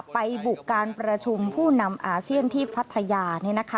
ไปบุกการประชุมผู้นำอาเซียนที่พัทยา